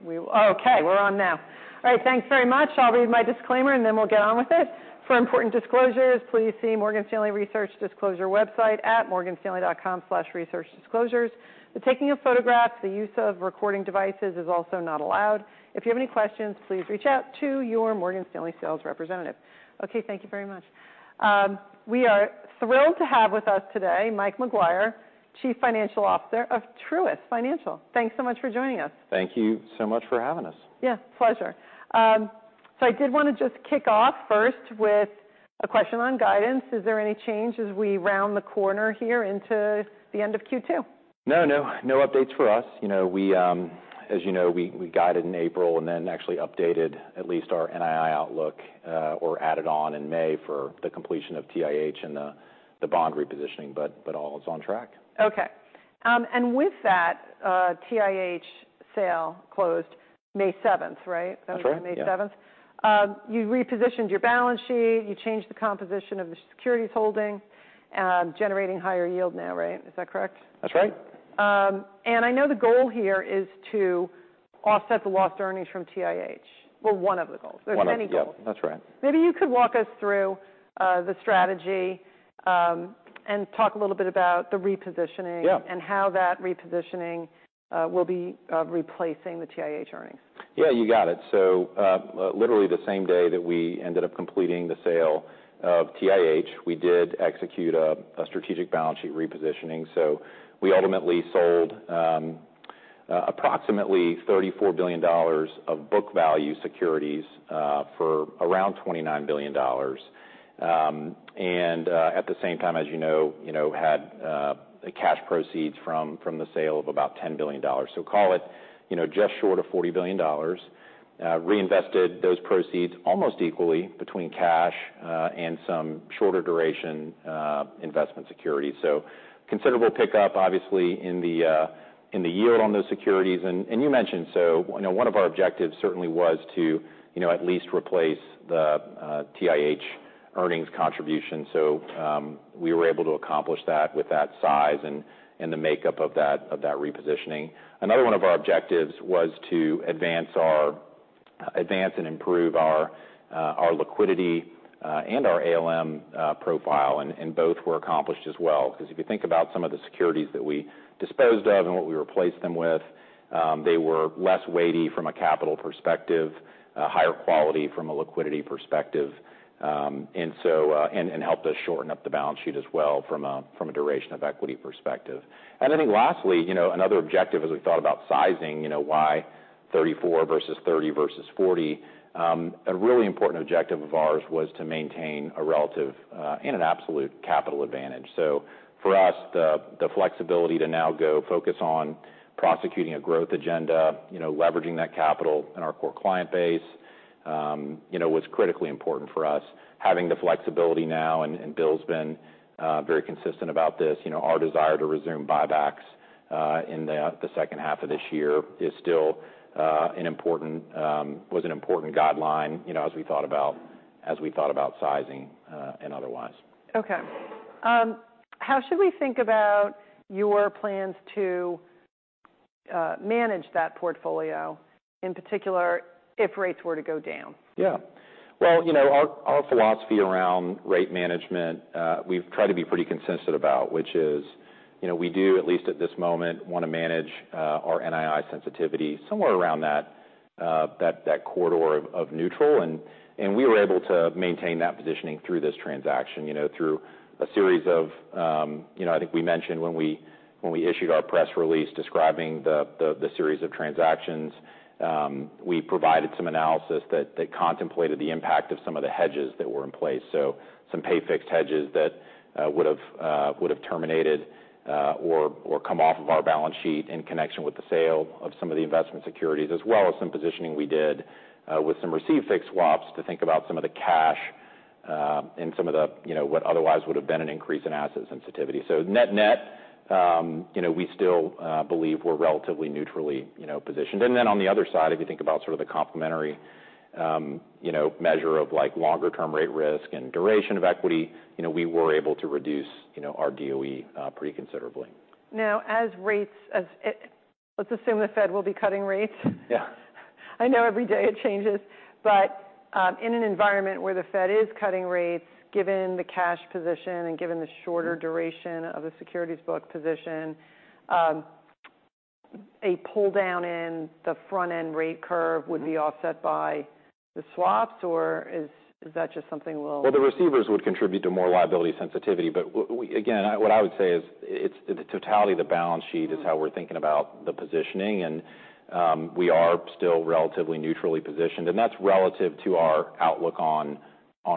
Here we go. Okay, we're on now. All right, thanks very much. I'll read my disclaimer and then we'll get on with it. For important disclosures, please see Morgan Stanley Research Disclosure website at morganstanley.com/researchdisclosures. The taking of photographs, the use of recording devices is also not allowed. If you have any questions, please reach out to your Morgan Stanley sales representative. Okay, thank you very much. We are thrilled to have with us today Mike Maguire, Chief Financial Officer of Truist Financial. Thanks so much for joining us. Thank you so much for having us. Yeah, pleasure. So I did want to just kick off first with a question on guidance. Is there any change as we round the corner here into the end of Q2? No, no, no updates for us. As you know, we guided in April and then actually updated at least our NII outlook or added on in May for the completion of TIH and the bond repositioning, but all is on track. Okay. And with that, TIH sale closed May 7th, right? That's right. May 7th. You repositioned your balance sheet, you changed the composition of the securities holding, generating higher yield now, right? Is that correct? That's right. I know the goal here is to offset the lost earnings from TIH. Well, one of the goals. There's many goals. One of the goals, that's right. Maybe you could walk us through the strategy and talk a little bit about the repositioning and how that repositioning will be replacing the TIH earnings? Yeah, you got it. So literally the same day that we ended up completing the sale of TIH, we did execute a strategic balance sheet repositioning. So we ultimately sold approximately $34 billion of book value securities for around $29 billion. And at the same time, as you know, had cash proceeds from the sale of about $10 billion. So call it just short of $40 billion. Reinvested those proceeds almost equally between cash and some shorter duration investment securities. So considerable pickup, obviously, in the yield on those securities. And you mentioned, so one of our objectives certainly was to at least replace the TIH earnings contribution. So we were able to accomplish that with that size and the makeup of that repositioning. Another one of our objectives was to advance and improve our liquidity and our ALM profile, and both were accomplished as well. Because if you think about some of the securities that we disposed of and what we replaced them with, they were less weighty from a capital perspective, higher quality from a liquidity perspective, and helped us shorten up the balance sheet as well from a duration of equity perspective. I think lastly, another objective as we thought about sizing, why 34 versus 30 versus 40, a really important objective of ours was to maintain a relative and an absolute capital advantage. So for us, the flexibility to now go focus on prosecuting a growth agenda, leveraging that capital and our core client base was critically important for us. Having the flexibility now, and Bill's been very consistent about this, our desire to resume buybacks in the second half of this year was an important guideline as we thought about sizing and otherwise. Okay. How should we think about your plans to manage that portfolio, in particular if rates were to go down? Yeah. Well, our philosophy around rate management, we've tried to be pretty consistent about, which is we do, at least at this moment, want to manage our NII sensitivity somewhere around that corridor of neutral. And we were able to maintain that positioning through this transaction, through a series of, I think we mentioned when we issued our press release describing the series of transactions, we provided some analysis that contemplated the impact of some of the hedges that were in place. So some pay-fixed hedges that would have terminated or come off of our balance sheet in connection with the sale of some of the investment securities, as well as some positioning we did with some receive-fixed swaps to think about some of the cash and some of what otherwise would have been an increase in asset sensitivity. So net-net, we still believe we're relatively neutrally positioned. And then on the other side, if you think about sort of the complementary measure of longer-term rate risk and Duration of Equity, we were able to reduce our DOE pretty. Now, let's assume the Fed will be cutting rates. I know every day it changes. But in an environment where the Fed is cutting rates, given the cash position and given the shorter duration of the securities book position, a pull down in the front-end rate curve would be offset by the swaps, or is that just something we'll? Well, the receivables would contribute to more liability sensitivity. But again, what I would say is the totality of the balance sheet is how we're thinking about the positioning. And we are still relatively neutrally positioned. And that's relative to our outlook on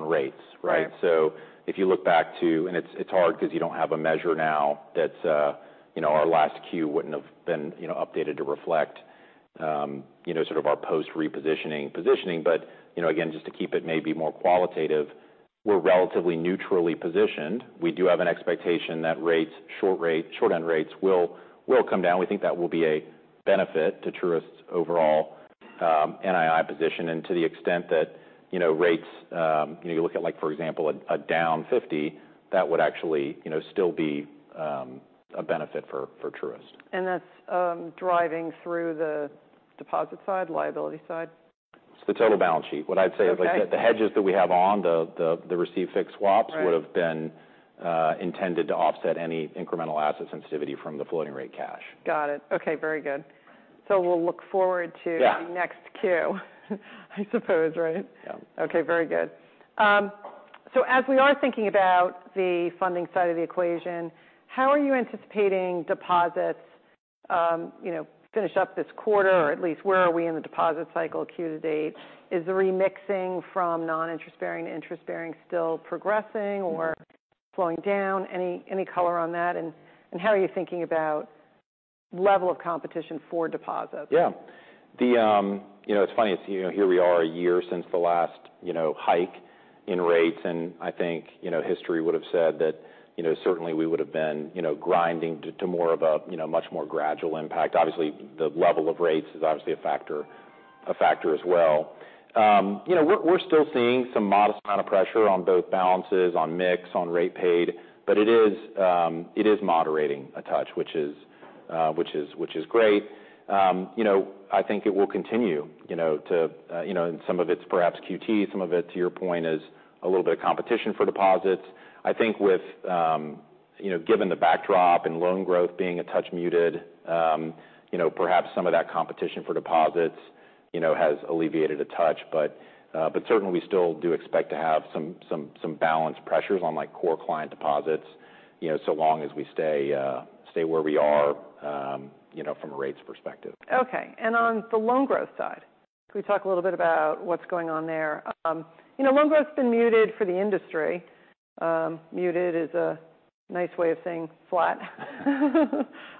rates, right? So if you look back to, and it's hard because you don't have a measure now that our last Q wouldn't have been updated to reflect sort of our post-repositioning positioning. But again, just to keep it maybe more qualitative, we're relatively neutrally positioned. We do have an expectation that short-end rates will come down. We think that will be a benefit to Truist's overall NII position. And to the extent that rates, you look at, for example, a down 50, that would actually still be a benefit for Truist. That's driving through the deposit side, liability side? It's the total balance sheet. What I'd say is the hedges that we have on the receive-fixed swaps would have been intended to offset any incremental asset sensitivity from the floating rate cash. Got it. Okay, very good. So we'll look forward to the next Q, I suppose, right? Yeah. Okay, very good. So as we are thinking about the funding side of the equation, how are you anticipating deposits finish up this quarter? Or at least where are we in the deposit cycle Q to date? Is the remixing from non-interest bearing to interest bearing still progressing or slowing down? Any color on that? And how are you thinking about level of competition for deposits? Yeah. It's funny, here we are a year since the last hike in rates. And I think history would have said that certainly we would have been grinding to more of a much more gradual impact. Obviously, the level of rates is obviously a factor as well. We're still seeing some modest amount of pressure on both balances, on mix, on rate paid, but it is moderating a touch, which is great. I think it will continue to, in some of its perhaps QT, some of it, to your point, is a little bit of competition for deposits. I think given the backdrop and loan growth being a touch muted, perhaps some of that competition for deposits has alleviated a touch. But certainly, we still do expect to have some balance pressures on core client deposits so long as we stay where we are from a rates perspective. Okay. And on the loan growth side, can we talk a little bit about what's going on there? Loan growth has been muted for the industry. Muted is a nice way of saying flat.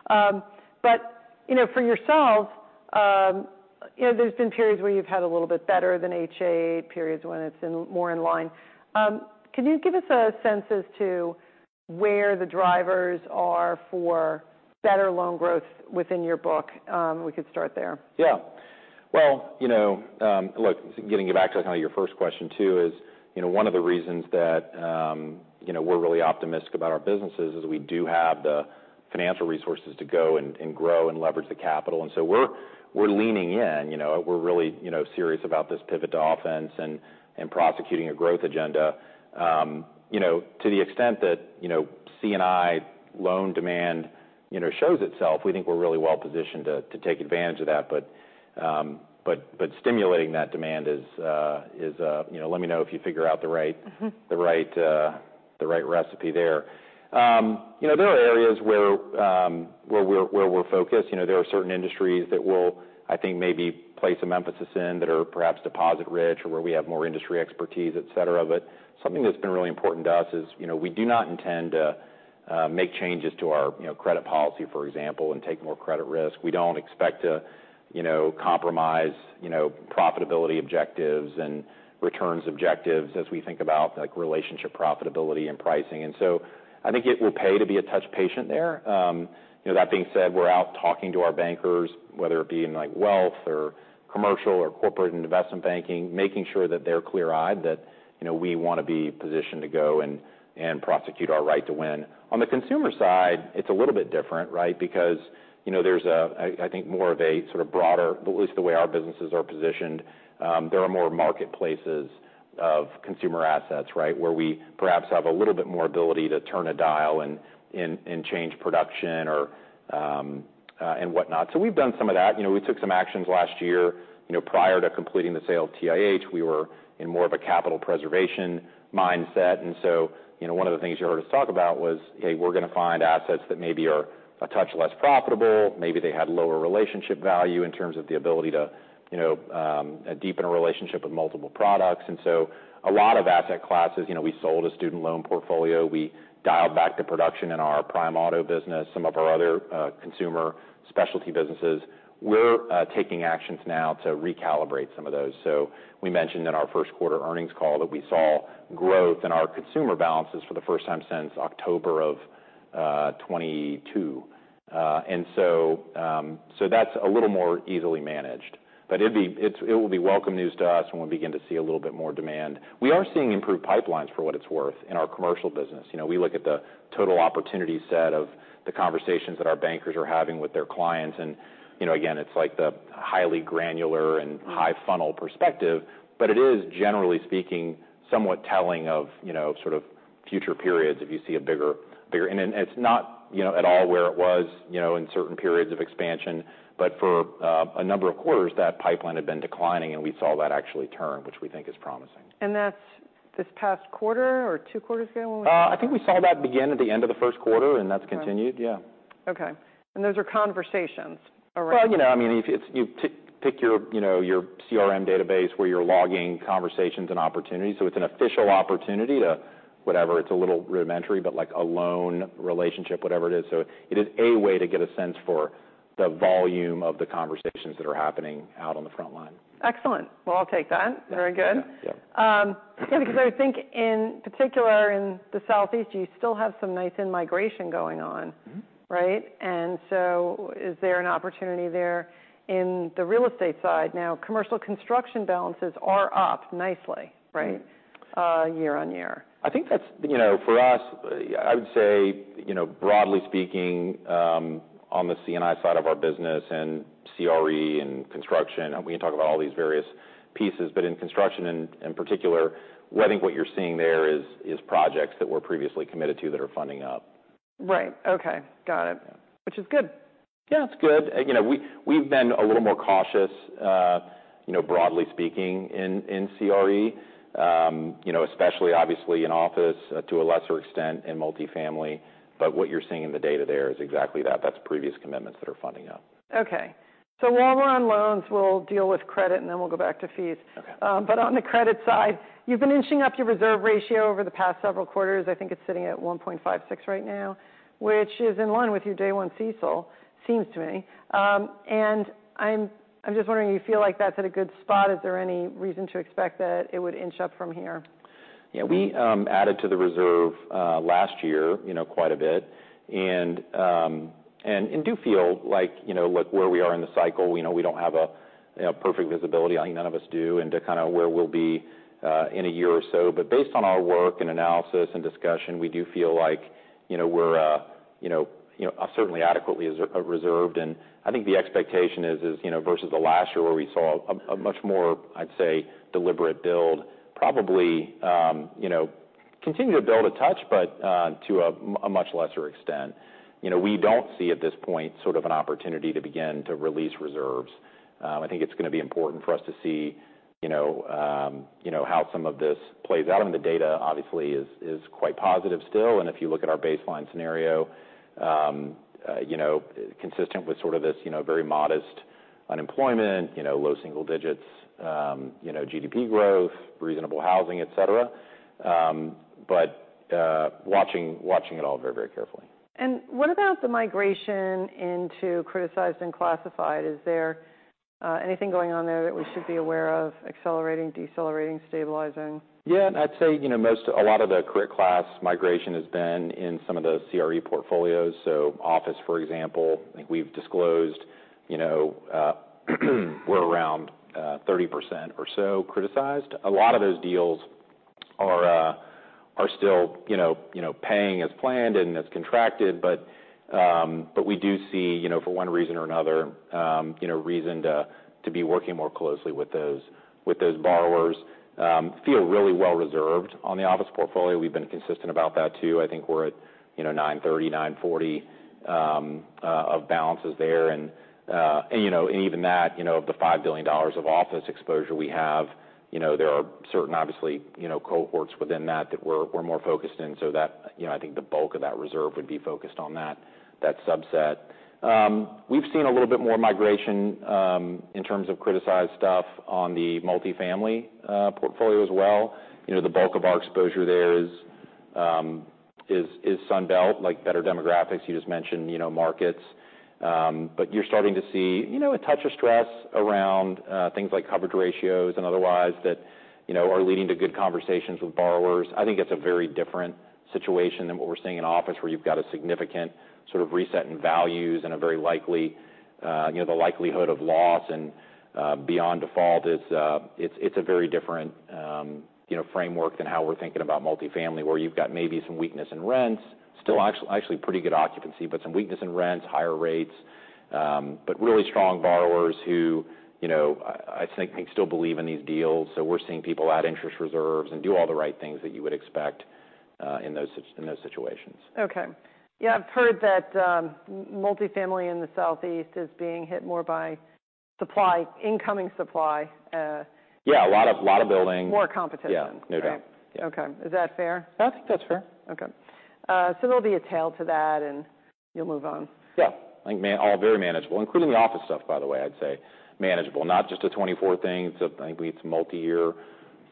But for yourselves, there's been periods where you've had a little bit better than H.8, periods when it's more in line. Can you give us a sense as to where the drivers are for better loan growth within your book? We could start there. Yeah. Well, look, getting back to kind of your first question too is one of the reasons that we're really optimistic about our businesses is we do have the financial resources to go and grow and leverage the capital. And so we're leaning in. We're really serious about this pivot to offense and prosecuting a growth agenda. To the extent that C&I loan demand shows itself, we think we're really well positioned to take advantage of that. But stimulating that demand is, let me know if you figure out the right recipe there. There are areas where we're focused. There are certain industries that we'll, I think, maybe place some emphasis in that are perhaps deposit-rich or where we have more industry expertise, etc. But something that's been really important to us is we do not intend to make changes to our credit policy, for example, and take more credit risk. We don't expect to compromise profitability objectives and returns objectives as we think about relationship profitability and pricing. And so I think it will pay to be a touch patient there. That being said, we're out talking to our bankers, whether it be in wealth or commercial or corporate investment banking, making sure that they're clear-eyed that we want to be positioned to go and prosecute our right to win. On the consumer side, it's a little bit different, right? Because there's, I think, more of a sort of broader, at least the way our businesses are positioned, there are more marketplaces of consumer assets, right, where we perhaps have a little bit more ability to turn a dial and change production and whatnot. So we've done some of that. We took some actions last year. Prior to completing the sale of TIH, we were in more of a capital preservation mindset. And so one of the things you heard us talk about was, hey, we're going to find assets that maybe are a touch less profitable. Maybe they had lower relationship value in terms of the ability to deepen a relationship with multiple products. And so a lot of asset classes, we sold a student loan portfolio. We dialed back production in our Prime Auto business, some of our other consumer specialty businesses. We're taking actions now to recalibrate some of those. So we mentioned in our first quarter earnings call that we saw growth in our consumer balances for the first time since October of 2022. And so that's a little more easily managed. But it will be welcome news to us when we begin to see a little bit more demand. We are seeing improved pipelines for what it's worth in our commercial business. We look at the total opportunity set of the conversations that our bankers are having with their clients. And again, it's like the highly granular and high-funnel perspective, but it is, generally speaking, somewhat telling of sort of future periods if you see a bigger. And it's not at all where it was in certain periods of expansion. But for a number of quarters, that pipeline had been declining, and we saw that actually turn, which we think is promising. That's this past quarter or two quarters ago when we saw that? I think we saw that begin at the end of the first quarter, and that's continued, yeah. Okay. Those are conversations, or? Well, I mean, if you pick your CRM database where you're logging conversations and opportunities. So it's an official opportunity to whatever. It's a little rudimentary, but a loan relationship, whatever it is. So it is a way to get a sense for the volume of the conversations that are happening out on the front. Excellent. Well, I'll take that. Very good. Because I would think in particular in the Southeast, you still have some nice in-migration going on, right? And so is there an opportunity there in the real estate side? Now, commercial construction balances are up nicely, right, year-over-year? I think that's for us, I would say, broadly speaking, on the C&I side of our business and CRE and construction, we can talk about all these various pieces. But in construction in particular, I think what you're seeing there is projects that were previously committed to that are funding up. Right. Okay. Got it. Which is good. Yeah, it's good. We've been a little more cautious, broadly speaking, in CRE, especially, obviously, in office, to a lesser extent in multifamily. But what you're seeing in the data there is exactly that. That's previous commitments that are funding up. Okay. So while we're on loans, we'll deal with credit, and then we'll go back to fees. But on the credit side, you've been inching up your reserve ratio over the past several quarters. I think it's sitting at 1.56 right now, which is in line with your day-one CECL, seems to me. And I'm just wondering, you feel like that's at a good spot? Is there any reason to expect that it would inch up from here? Yeah. We added to the reserve last year quite a bit. And do feel like where we are in the cycle, we don't have a perfect visibility. I think none of us do into kind of where we'll be in a year or so. But based on our work and analysis and discussion, we do feel like we're certainly adequately reserved. And I think the expectation is versus the last year where we saw a much more, I'd say, deliberate build, probably continue to build a touch, but to a much lesser extent. We don't see at this point sort of an opportunity to begin to release reserves. I think it's going to be important for us to see how some of this plays out. I mean, the data, obviously, is quite positive still. If you look at our baseline scenario, consistent with sort of this very modest unemployment, low single digits GDP growth, reasonable housing, etc. But watching it all very, very carefully. What about the migration into criticized and classified? Is there anything going on there that we should be aware of? Accelerating, decelerating, stabilizing? Yeah. I'd say a lot of the criticized classified migration has been in some of the CRE portfolios. So office, for example, I think we've disclosed we're around 30% or so criticized. A lot of those deals are still paying as planned and as contracted. But we do see, for one reason or another, reason to be working more closely with those borrowers. Feel really well reserved on the office portfolio. We've been consistent about that too. I think we're at 9.30%-9.40% of balances there. And even that, of the $5 billion of office exposure we have, there are certain, obviously, cohorts within that that we're more focused in. So I think the bulk of that reserve would be focused on that subset. We've seen a little bit more migration in terms of criticized stuff on the multifamily portfolio as well. The bulk of our exposure there is Sunbelt, like better demographics you just mentioned, markets. But you're starting to see a touch of stress around things like coverage ratios and otherwise that are leading to good conversations with borrowers. I think it's a very different situation than what we're seeing in office, where you've got a significant sort of reset in values and a very likely the likelihood of loss and beyond default. It's a very different framework than how we're thinking about multifamily, where you've got maybe some weakness in rents, still actually pretty good occupancy, but some weakness in rents, higher rates, but really strong borrowers who I think still believe in these deals. So we're seeing people add interest reserves and do all the right things that you would expect in those situations. Okay. Yeah. I've heard that multifamily in the Southeast is being hit more by supply, incoming supply. Yeah. A lot of building. More competition. Yeah. No doubt. Okay. Is that fair? I think that's fair. Okay. So there'll be a tail to that, and you'll move on. Yeah. I think all very manageable, including the office stuff, by the way, I'd say manageable. Not just a 2024 thing. I think it's a multi-year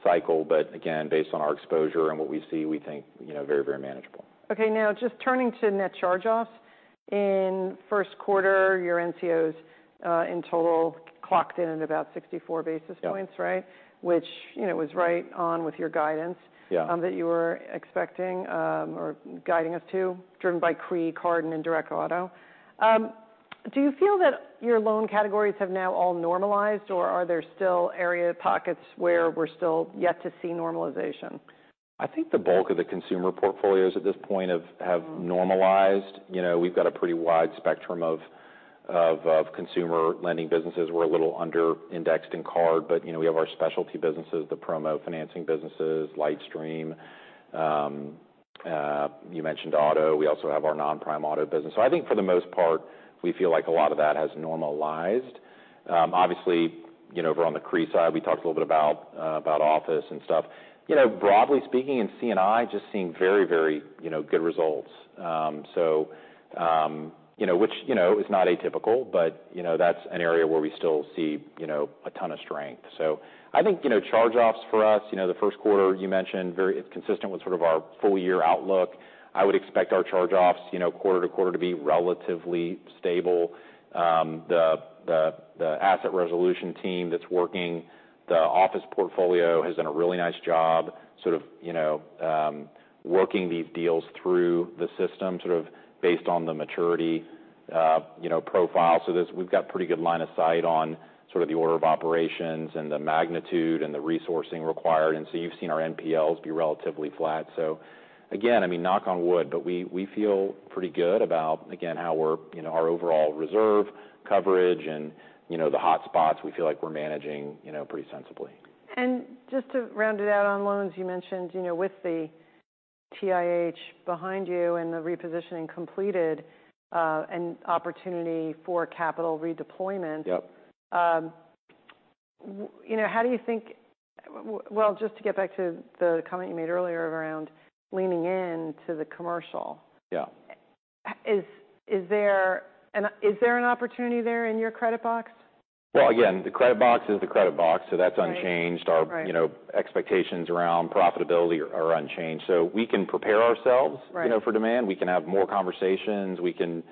cycle. But again, based on our exposure and what we see, we think very, very manageable. Okay. Now, just turning to net charge-offs, in first quarter, your NCOs in total clocked in at about 64 basis points, right? Which was right on with your guidance that you were expecting or guiding us to, driven by CRE, Card, and Indirect Auto. Do you feel that your loan categories have now all normalized, or are there still area pockets where we're still yet to see normalization? I think the bulk of the consumer portfolios at this point have normalized. We've got a pretty wide spectrum of consumer lending businesses. We're a little under-indexed in card, but we have our specialty businesses, the promo financing businesses, LightStream. You mentioned auto. We also have our non-prime auto business. So I think for the most part, we feel like a lot of that has normalized. Obviously, over on the CRE side, we talked a little bit about office and stuff. Broadly speaking, in C&I, just seeing very, very good results. So which is not atypical, but that's an area where we still see a ton of strength. So I think charge-offs for us, the first quarter you mentioned, it's consistent with sort of our full-year outlook. I would expect our charge-offs quarter to quarter to be relatively stable. The asset resolution team that's working the office portfolio has done a really nice job sort of working these deals through the system sort of based on the maturity profile. So we've got a pretty good line of sight on sort of the order of operations and the magnitude and the resourcing required. And so you've seen our NPLs be relatively flat. So again, I mean, knock on wood, but we feel pretty good about, again, how our overall reserve coverage and the hotspots, we feel like we're managing pretty sensibly. Just to round it out on loans, you mentioned with the TIH behind you and the repositioning completed and opportunity for capital redeployment. How do you think, well, just to get back to the comment you made earlier around leaning into the commercial, is there an opportunity there in your credit box? Well, again, the credit box is the credit box. So that's unchanged. Our expectations around profitability are unchanged. So we can prepare ourselves for demand. We can have more conversations. We can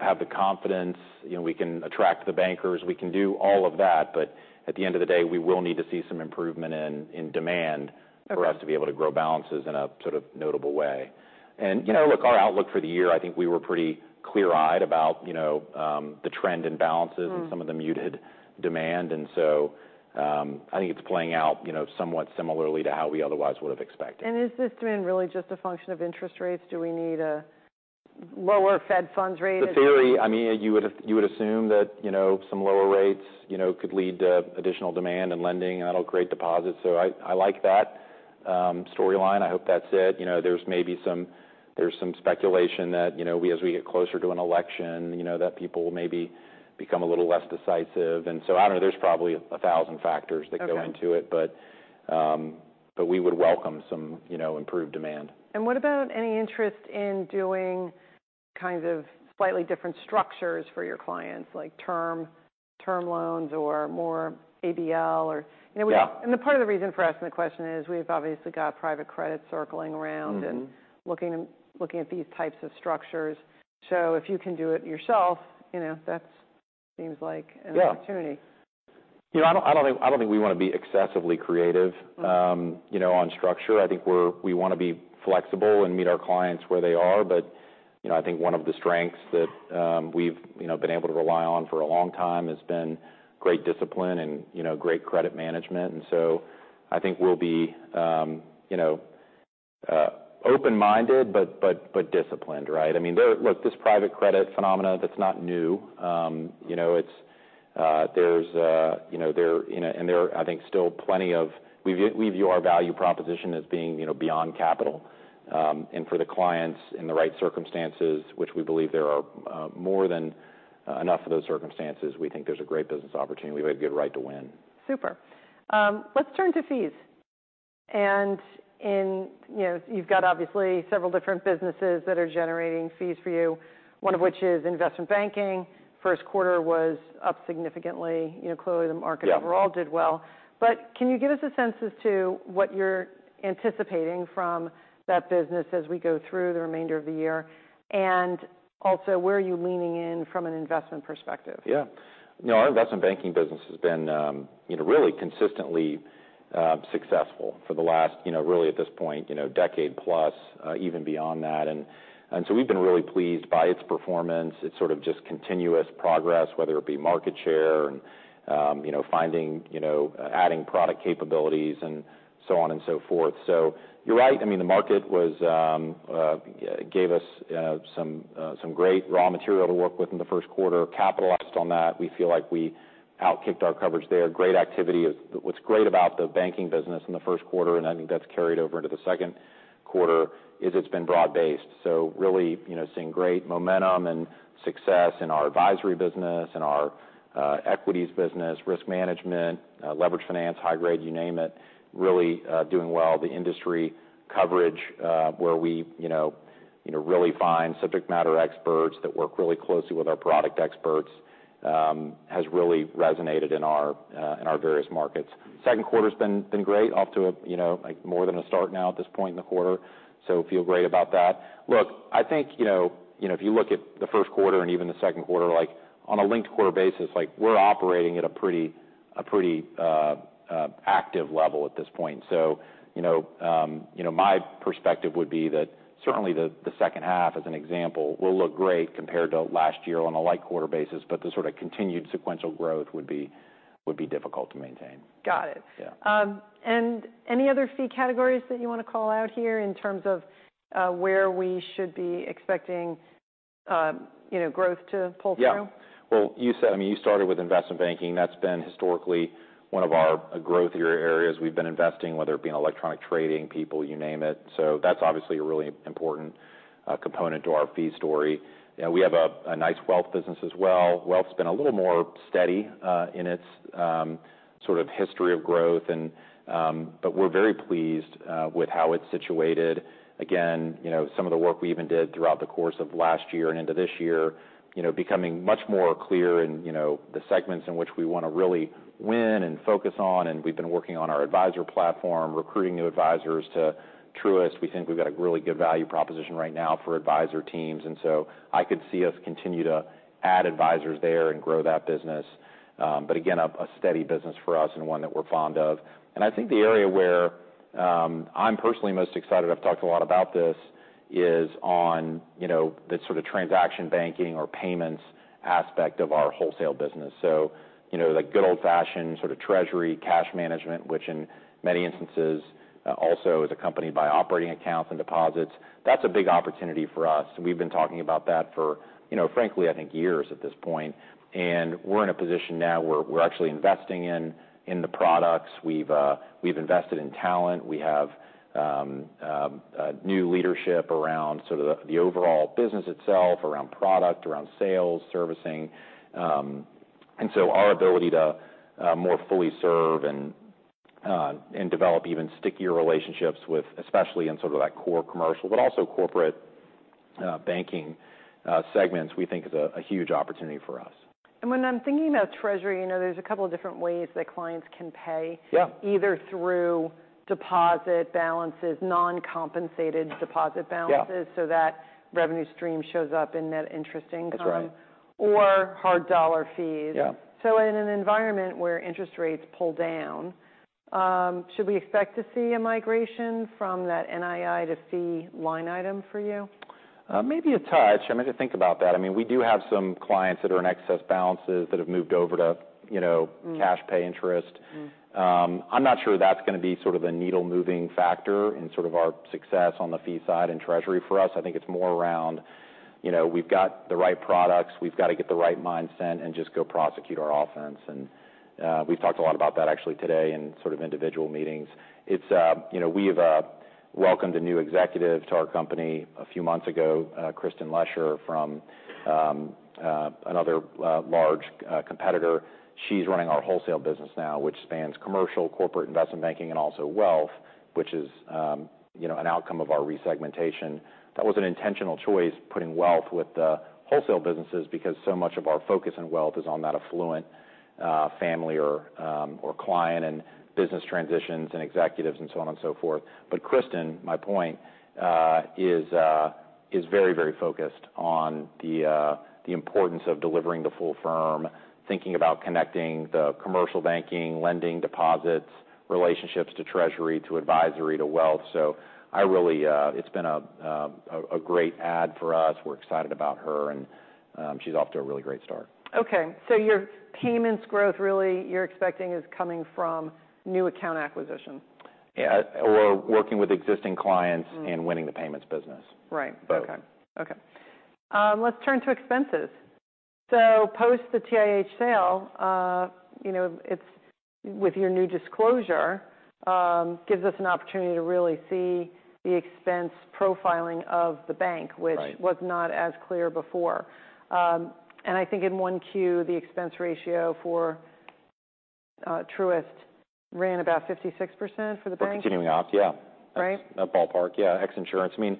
have the confidence. We can attract the bankers. We can do all of that. But at the end of the day, we will need to see some improvement in demand for us to be able to grow balances in a sort of notable way. And look, our outlook for the year, I think we were pretty clear-eyed about the trend in balances and some of the muted demand. And so I think it's playing out somewhat similarly to how we otherwise would have expected. Is this really just a function of interest rates? Do we need a lower Fed funds rate? Theoretically, I mean, you would assume that some lower rates could lead to additional demand and lending and that'll create deposits. So I like that storyline. I hope that's it. There's maybe some speculation that as we get closer to an election, that people maybe become a little less decisive. And so I don't know. There's probably 1,000 factors that go into it, but we would welcome some improved demand. What about any interest in doing kind of slightly different structures for your clients, like term loans or more ABL? The part of the reason for asking the question is we've obviously got private credit circling around and looking at these types of structures. If you can do it yourself, that seems like an opportunity. I don't think we want to be excessively creative on structure. I think we want to be flexible and meet our clients where they are. But I think one of the strengths that we've been able to rely on for a long time has been great discipline and great credit management. And so I think we'll be open-minded but disciplined, right? I mean, look, this private credit phenomenon, that's not new. There's a, and there are, I think, still plenty of we view our value proposition as being beyond capital. And for the clients in the right circumstances, which we believe there are more than enough of those circumstances, we think there's a great business opportunity. We have a good right to win. Super. Let's turn to fees. You've got, obviously, several different businesses that are generating fees for you, one of which is investment banking. First quarter was up significantly. Clearly, the market overall did well. Can you give us a sense as to what you're anticipating from that business as we go through the remainder of the year? And also, where are you leaning in from an investment perspective? Yeah. Our investment banking business has been really consistently successful for the last, really, at this point, decade plus, even beyond that. And so we've been really pleased by its performance. It's sort of just continuous progress, whether it be market share and finding, adding product capabilities and so on and so forth. So you're right. I mean, the market gave us some great raw material to work with in the first quarter, capitalized on that. We feel like we outkicked our coverage there. Great activity. What's great about the banking business in the first quarter, and I think that's carried over into the second quarter, is it's been broad-based. So really seeing great momentum and success in our advisory business, in our equities business, risk management, leverage finance, high grade, you name it, really doing well. The industry coverage, where we really find subject matter experts that work really closely with our product experts, has really resonated in our various markets. Second quarter's been great, off to more than a start now at this point in the quarter. So feel great about that. Look, I think if you look at the first quarter and even the second quarter, on a linked quarter basis, we're operating at a pretty active level at this point. So my perspective would be that certainly the second half, as an example, will look great compared to last year on a linked quarter basis. But the sort of continued sequential growth would be difficult to maintain. Got it. And any other fee categories that you want to call out here in terms of where we should be expecting growth to pull through? Yeah. Well, you said, I mean, you started with Investment Banking. That's been historically one of our growth areas we've been investing, whether it be in electronic trading, people, you name it. So that's obviously a really important component to our fee story. We have a nice Wealth business as well. Wealth's been a little more steady in its sort of history of growth. But we're very pleased with how it's situated. Again, some of the work we even did throughout the course of last year and into this year, becoming much more clear in the segments in which we want to really win and focus on. And we've been working on our advisor platform, recruiting new advisors to Truist. We think we've got a really good value proposition right now for advisor teams. And so I could see us continue to add advisors there and grow that business. But again, a steady business for us and one that we're fond of. And I think the area where I'm personally most excited, I've talked a lot about this, is on the sort of transaction banking or payments aspect of our wholesale business. So the good old-fashioned sort of treasury cash management, which in many instances also is accompanied by operating accounts and deposits. That's a big opportunity for us. And we've been talking about that for, frankly, I think, years at this point. And we're in a position now where we're actually investing in the products. We've invested in talent. We have new leadership around sort of the overall business itself, around product, around sales, servicing. And so our ability to more fully serve and develop even stickier relationships, especially in sort of that core commercial, but also corporate banking segments, we think is a huge opportunity for us. When I'm thinking about Treasury, there's a couple of different ways that clients can pay, either through deposit balances, non-compensated deposit balances so that revenue stream shows up in net interest income, or hard dollar fees. In an environment where interest rates pull down, should we expect to see a migration from that NII to fee line item for you? Maybe a touch. I mean, to think about that. I mean, we do have some clients that are in excess balances that have moved over to cash pay interest. I'm not sure that's going to be sort of the needle-moving factor in sort of our success on the fee side in treasury for us. I think it's more around we've got the right products. We've got to get the right mindset and just go prosecute our offense. And we've talked a lot about that actually today in sort of individual meetings. We have welcomed a new executive to our company a few months ago, Kristin Lesher from another large competitor. She's running our wholesale business now, which spans commercial, corporate investment banking, and also wealth, which is an outcome of our resegmentation. That was an intentional choice, putting wealth with the wholesale businesses because so much of our focus in wealth is on that affluent family or client and business transitions and executives and so on and so forth. But Kristin, my point, is very, very focused on the importance of delivering the full firm, thinking about connecting the commercial banking, lending, deposits, relationships to treasury, to advisory, to wealth. So it's been a great add for us. We're excited about her. And she's off to a really great start. Okay. So your payments growth, really, you're expecting is coming from new account acquisition? Yeah. Or working with existing clients and winning the payments business. Right. Okay. Okay. Let's turn to expenses. So post the TIH sale, with your new disclosure, gives us an opportunity to really see the expense profiling of the bank, which was not as clear before. And I think in one Q, the expense ratio for Truist ran about 56% for the bank. We're continuing up, yeah. That's a ballpark, yeah. Ex insurance. I mean,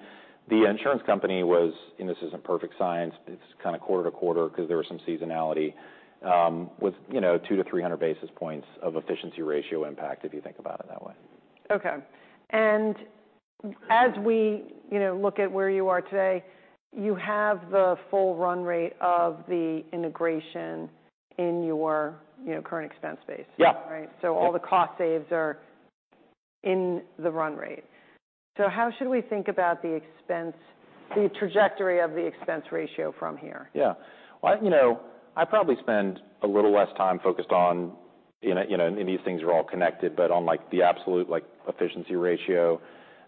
the insurance company was, and this isn't perfect science, it's kind of quarter to quarter because there was some seasonality, with 200-300 basis points of efficiency ratio impact if you think about it that way. Okay. And as we look at where you are today, you have the full run rate of the integration in your current expense base, right? So all the cost saves are in the run rate. So how should we think about the trajectory of the expense ratio from here? Yeah. Well, I probably spend a little less time focused on, and these things are all connected, but on the absolute efficiency ratio.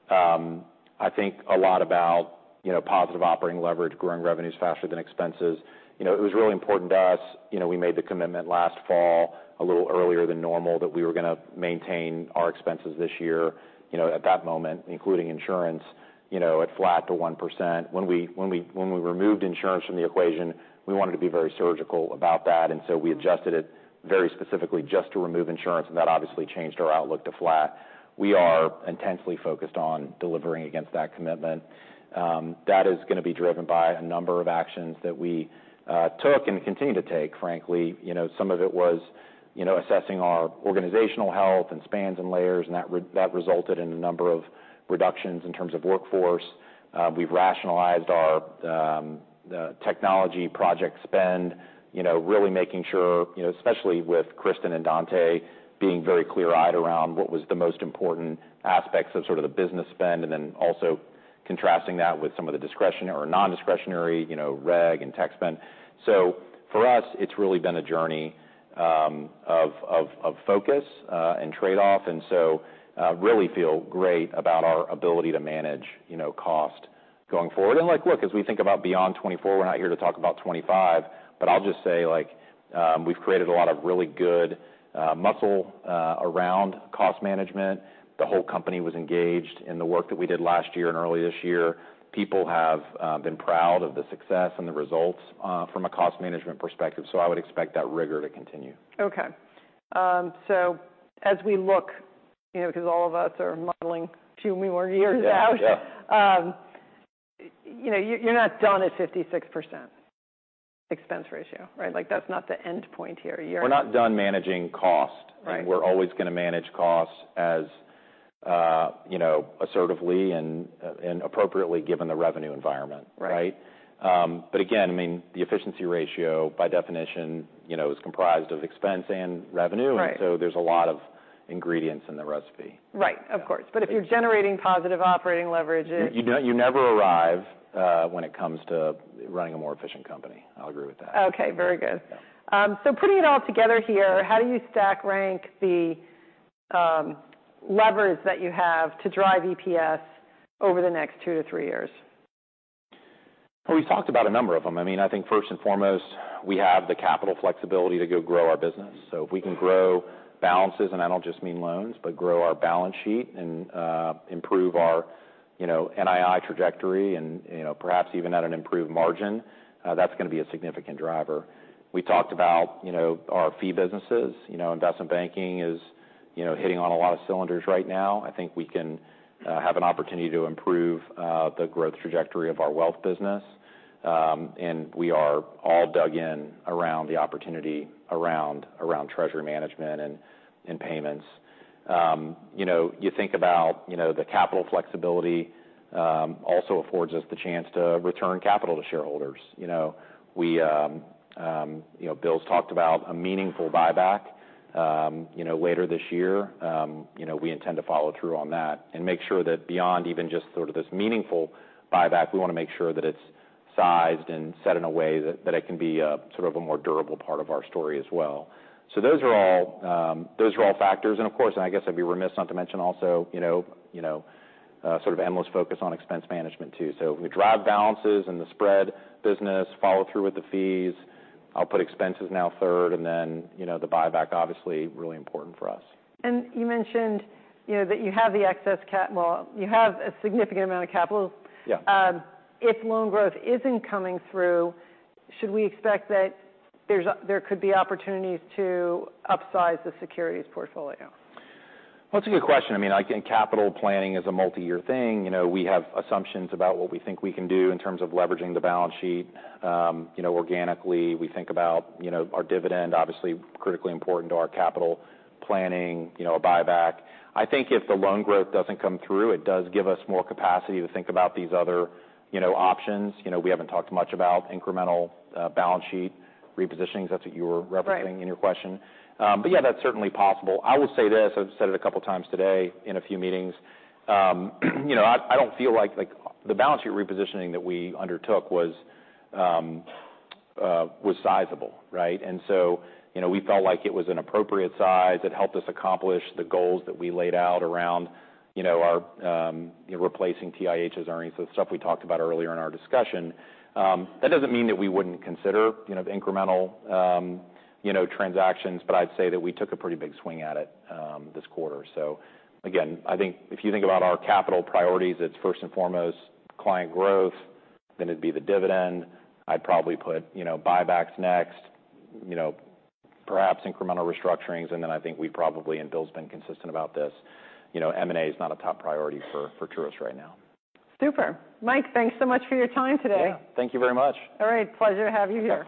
I think a lot about positive operating leverage, growing revenues faster than expenses. It was really important to us. We made the commitment last fall a little earlier than normal that we were going to maintain our expenses this year at that moment, including insurance, at flat to 1%. When we removed insurance from the equation, we wanted to be very surgical about that. And so we adjusted it very specifically just to remove insurance. And that obviously changed our outlook to flat. We are intensely focused on delivering against that commitment. That is going to be driven by a number of actions that we took and continue to take, frankly. Some of it was assessing our organizational health and spans and layers. That resulted in a number of reductions in terms of workforce. We've rationalized our technology project spend, really making sure, especially with Kristin and Dontá being very clear-eyed around what was the most important aspects of sort of the business spend, and then also contrasting that with some of the discretionary or non-discretionary reg and tech spend. So for us, it's really been a journey of focus and trade-off. And so really feel great about our ability to manage cost going forward. And look, as we think about beyond 2024, we're not here to talk about 2025. But I'll just say we've created a lot of really good muscle around cost management. The whole company was engaged in the work that we did last year and early this year. People have been proud of the success and the results from a cost management perspective. So I would expect that rigor to continue. Okay. So as we look, because all of us are modeling a few more years out, you're not done at 56% expense ratio, right? That's not the end point here. We're not done managing cost. And we're always going to manage cost as assertively and appropriately given the revenue environment, right? But again, I mean, the efficiency ratio, by definition, is comprised of expense and revenue. And so there's a lot of ingredients in the recipe. Right. Of course. But if you're generating positive operating leverage. You never arrive when it comes to running a more efficient company. I'll agree with that. Okay. Very good. So putting it all together here, how do you stack rank the levers that you have to drive EPS over the next two to three years? Well, we've talked about a number of them. I mean, I think first and foremost, we have the capital flexibility to go grow our business. So if we can grow balances, and I don't just mean loans, but grow our balance sheet and improve our NII trajectory and perhaps even at an improved margin, that's going to be a significant driver. We talked about our fee businesses. Investment banking is hitting on a lot of cylinders right now. I think we can have an opportunity to improve the growth trajectory of our wealth business. And we are all dug in around the opportunity around treasury management and payments. You think about the capital flexibility also affords us the chance to return capital to shareholders. Bill's talked about a meaningful buyback later this year. We intend to follow through on that and make sure that beyond even just sort of this meaningful buyback, we want to make sure that it's sized and set in a way that it can be sort of a more durable part of our story as well. So those are all factors. And of course, and I guess I'd be remiss not to mention also sort of endless focus on expense management too. So if we drive balances in the spread business, follow through with the fees, I'll put expenses now third. And then the buyback, obviously, really important for us. You mentioned that you have the excess capital. Well, you have a significant amount of capital. If loan growth isn't coming through, should we expect that there could be opportunities to upsize the securities portfolio? Well, that's a good question. I mean, again, capital planning is a multi-year thing. We have assumptions about what we think we can do in terms of leveraging the balance sheet organically. We think about our dividend, obviously critically important to our capital planning, a buyback. I think if the loan growth doesn't come through, it does give us more capacity to think about these other options. We haven't talked much about incremental balance sheet repositionings. That's what you were referencing in your question. But yeah, that's certainly possible. I will say this. I've said it a couple of times today in a few meetings. I don't feel like the balance sheet repositioning that we undertook was sizable, right? And so we felt like it was an appropriate size. It helped us accomplish the goals that we laid out around our replacing TIH's earnings, the stuff we talked about earlier in our discussion. That doesn't mean that we wouldn't consider incremental transactions. But I'd say that we took a pretty big swing at it this quarter. So again, I think if you think about our capital priorities, it's first and foremost client growth. Then it'd be the dividend. I'd probably put buybacks next, perhaps incremental restructurings. And then I think we've probably, and Bill's been consistent about this, M&A is not a top priority for Truist right now. Super. Mike, thanks so much for your time today. Yeah. Thank you very much. All right. Pleasure to have you here.